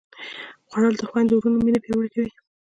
خوړل د خویندو وروڼو مینه پیاوړې کوي